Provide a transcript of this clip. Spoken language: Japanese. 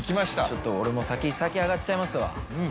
ちょっと俺もう先上がっちゃいますわ。